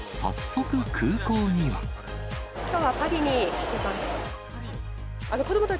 きょうはパリに行きます。